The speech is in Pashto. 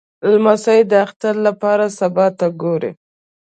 لمسی د اختر لپاره سبا ته ګوري.